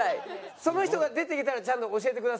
その人が出てきたらちゃんと教えてくださいね。